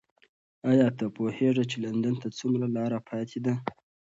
ایا ته پوهېږې چې لندن ته څومره لاره پاتې ده؟